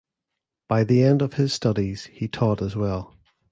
By the end of his studies he taught as well.